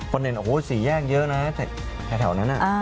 คนเห็นสีแยกเยอะนะแถวนั้น